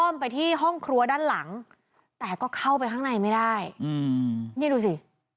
ไปที่ห้องครัวด้านหลังแต่ก็เข้าไปข้างในไม่ได้อืมนี่ดูสิ